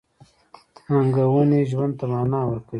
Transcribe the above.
• ننګونې ژوند ته مانا ورکوي.